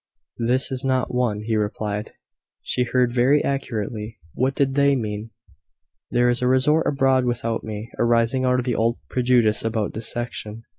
"This is not one," he replied. "She heard very accurately." "What did they mean?" "There is a report abroad about me, arising out of the old prejudice about dissection.